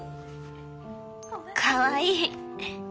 かわいい。